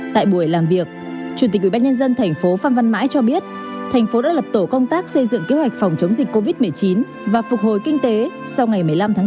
tại buổi làm việc chủ tịch ubnd tp phan văn mãi cho biết thành phố đã lập tổ công tác xây dựng kế hoạch phòng chống dịch covid một mươi chín và phục hồi kinh tế sau ngày một mươi năm tháng bốn